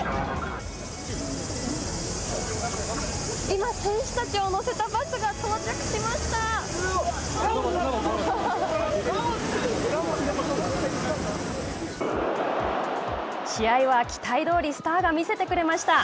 今、選手たちを乗せたバスが到着しました。